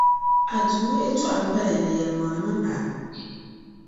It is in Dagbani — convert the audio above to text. A Duuma yεltɔɣali paliya ni yεlimaŋli mini aadalsi.